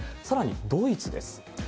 さらにドイツです。